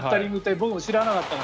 僕も知らなかったから。